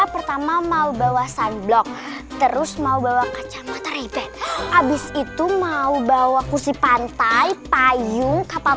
pertama mau bawa sandblok terus mau bawa kacamata ribet habis itu mau bawa kursi pantai payung kapal